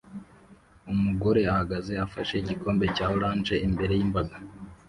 Umugore ahagaze afashe igikombe cya orange imbere yimbaga